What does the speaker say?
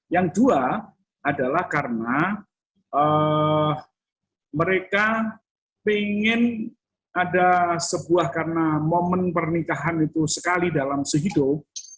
yang dua adalah karena mereka ingin ada sebuah karena momen pernikahan itu sekali dalam sehidup